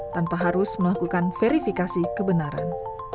tanpa harus melakukan verifikasi kebenaran